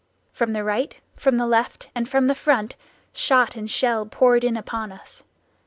From the right, from the left, and from the front, shot and shell poured in upon us.